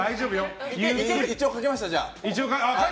一応書けました。